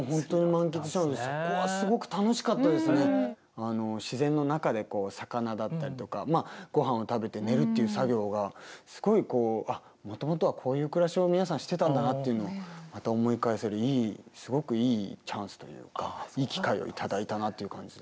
あの自然の中で魚だったりとかごはんを食べて寝るっていう作業がすごいもともとはこういう暮らしを皆さんしてたんだなっていうのをまた思い返せるいいすごくいいチャンスというかいい機会を頂いたなっていう感じで。